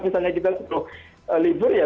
misalnya kitapenuh libur ya